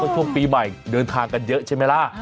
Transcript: ช่วงปีใหม่เดินทางกันเยอะใช่ไหมล่ะ